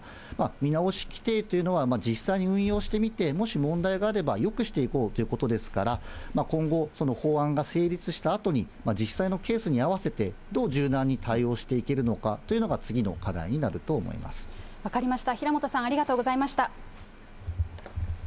見直し規定という、実際に運用してみて、もし問題があれば、よくしていこうということですから、今後、法案が成立したあとに、実際のケースに合わせて、どう柔軟に対応していけるのかというのが、次の課題になると思い分かりました、平本さん、ありがとうございました。